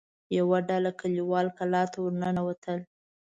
يوه ډله کليوال کلا ته ور ننوتل.